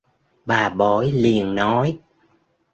Bà bói liền nói